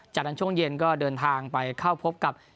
จากนั้นช่วงเย็นก็เดินทางไปเข้าพบกับ